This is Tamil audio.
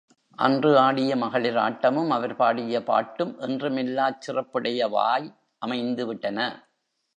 அன்று ஆடிய மகளிர் ஆட்டமும், அவர் பாடிய பாட்டும் என்றும் இல்லாச் சிறப்புடையவாய் அமைந்து விட்டன.